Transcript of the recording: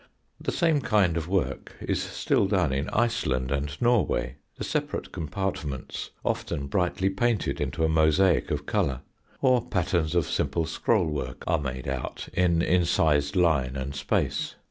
The same kind of work is still done in Iceland and Norway, the separate compartments often brightly painted into a mosaic of colour; or patterns of simple scroll work are made out in incised line and space.